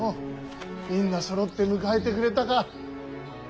みんなそろって迎えてくれたか。